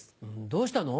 どうしたの？